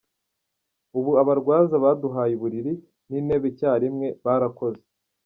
Ubu abarwaza baduhaye uburiri n’intebe icyarimwe, barakoze.